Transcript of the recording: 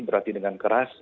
berlatih dengan keras